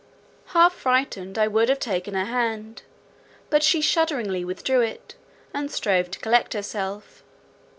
Half frightened, I would have taken her hand; but she shudderingly withdrew it, and strove to collect herself.